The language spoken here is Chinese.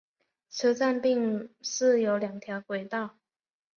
车站并设有两条轨道。